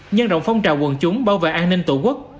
nhân rộng phong trào quần chúng bảo vệ an ninh tổ quốc